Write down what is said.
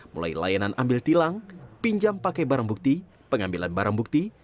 mulai layanan ambil tilang pinjam pakai barang bukti pengambilan barang bukti